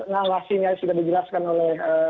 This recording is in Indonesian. nalasinya sudah dijelaskan oleh